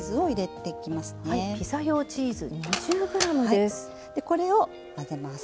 でこれを混ぜます。